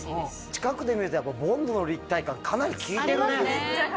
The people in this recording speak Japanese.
近くで見るとボンドの立体感かなり効いてるね。